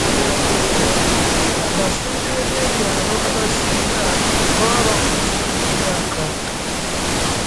Ba Ssentebe b'ebyalo abasinga baba bakuze mu myaka.